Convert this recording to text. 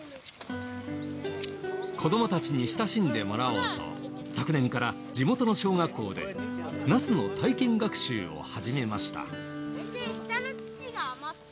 子どもたちに親しんでもらおうと昨年から地元の小学校でナスの体験学習を始めました。